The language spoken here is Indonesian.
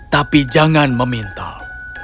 tapi jangan memintal